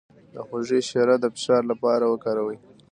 د هوږې شیره د فشار لپاره وکاروئ